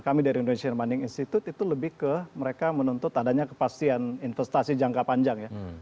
kami dari indonesian banding institute itu lebih ke mereka menuntut adanya kepastian investasi jangka panjang ya